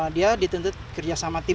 dia dituntut kerjasama tim